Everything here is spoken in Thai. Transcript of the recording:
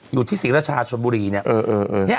อยู่ที่ศรีรชาชนบุรีเนี่ยเนี่ยเนี้ย